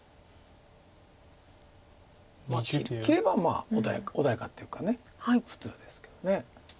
切ればまあ穏やかっていうか普通ですけど。